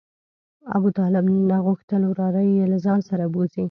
ابوطالب نه غوښتل وراره یې له ځان سره بوځي.